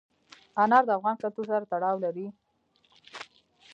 انار د افغان کلتور سره تړاو لري.